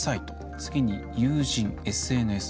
次に友人、ＳＮＳ。